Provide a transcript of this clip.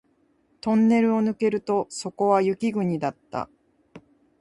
トンネルを抜けるとそこは雪国だった